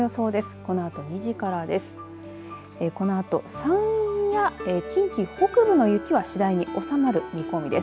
このあと山陰や近畿北部の雪は次第に収まる見込みです。